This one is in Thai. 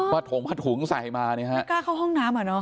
อ๋อผัดถุงผัดถุงใส่มานี่ฮะไม่กล้าเข้าห้องน้ำเหรอเนอะ